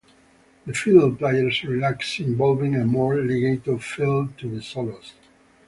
The fiddle players relax, involving a more legato feel to the solos.